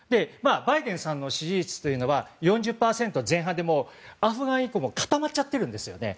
バイデンさんの支持率は４０％前半でアフガン以降固まっちゃってるんですよね。